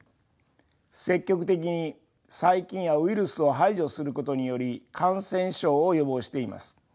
積極的に細菌やウイルスを排除することにより感染症を予防しています。